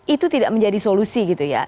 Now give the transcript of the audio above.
itu tidak menjadi solusi gitu ya